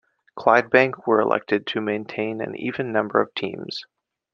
Clydebank were elected to maintain an even number of teams.